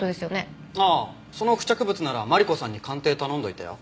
ああその付着物ならマリコさんに鑑定頼んどいたよ。